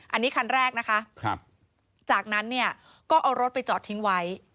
อันนี้คันแรกนะคะจากนั้นเนี่ยก็เอารถไปจอดทิ้งไว้